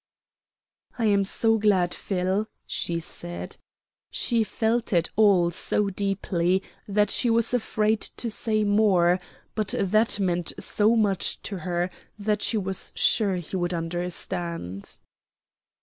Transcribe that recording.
"I am so glad, Phil," she said. She felt it all so deeply that she was afraid to say more, but that meant so much to her that she was sure he would understand.